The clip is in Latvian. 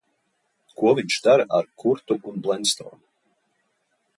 Ko viņš dara ar Kurtu un Blenstonu?